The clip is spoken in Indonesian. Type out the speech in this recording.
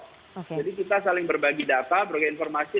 jadi kita saling berbagi data berbagi informasi